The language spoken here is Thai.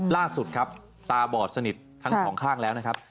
ล่าสุดครับตาบอดสนิททั้งสองข้างแล้วนะครับ